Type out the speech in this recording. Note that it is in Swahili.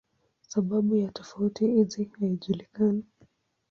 Sababu ya tofauti hizi haijulikani.